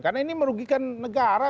karena ini merugikan negara